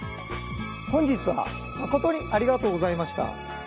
本日は誠にありがとうございました。